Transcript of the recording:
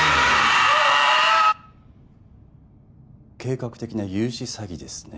計画的な融資詐欺ですね